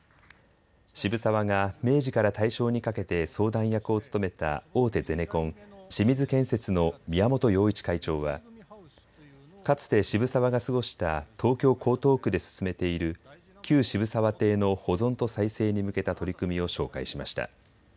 渋沢が明治から大正にかけて相談役を務めた大手ゼネコン、清水建設の宮本洋一会長はかつて渋沢が過ごした東京江東区で進めている旧渋沢邸の保存と再生に向けた取り組みを紹介しました。